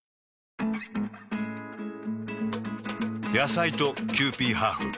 野菜とキユーピーハーフ。